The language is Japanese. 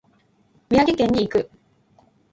宮城県に行く。